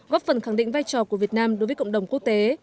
góp phần khẳng định vai trò của việt nam đối với cộng đồng quốc tế